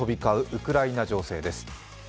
ウクライナ情勢です。